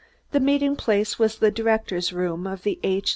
The meeting place was the directors' room of the H.